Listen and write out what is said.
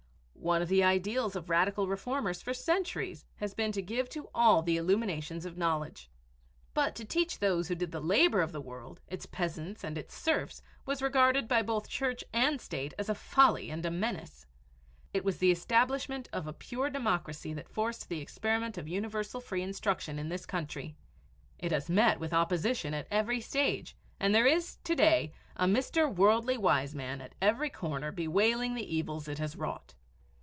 One of the ideals of radical reformers for centuries had been to give to all the illumination of knowledge. But to teach those who did the labor of the world, its peasants and its serfs, was regarded by both Church and State as a folly and a menace. It was the establishment of a pure democracy that forced the experiment of universal free instruction in this country. It has met with opposition at every stage, and there is to day a Mr. Worldly Wiseman at every corner bewailing the evils it has wrought.